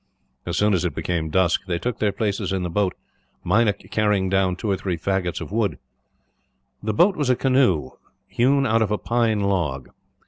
As soon as it became dusk, they took their places in the boat, Meinik carrying down two or three faggots of wood. The boat was a canoe, hewn out of a pine log.